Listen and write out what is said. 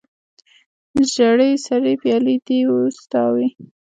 ژړې سرې پیالې دې ستا وي